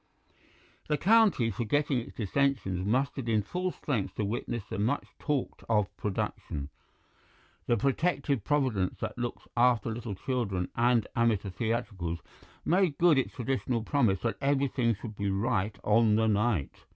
The County, forgetting its dissensions, mustered in full strength to witness the much talked of production. The protective Providence that looks after little children and amateur theatricals made good its traditional promise that everything should be right on the night.